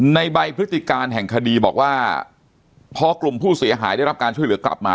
ในใบพฤติการแห่งคดีบอกว่าพอกลุ่มผู้เสียหายได้รับการช่วยเหลือกลับมา